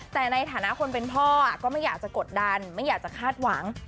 แต่ในฐานะคนเป็นพ่อก็ไม่อยากจะกดดันไม่อยากจะคาดหวัง